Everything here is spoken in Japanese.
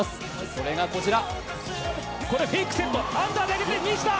それがこちら。